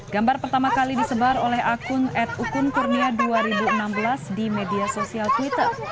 gambar pertama kali disebar oleh akun ad ukun kurnia dua ribu enam belas di media sosial twitter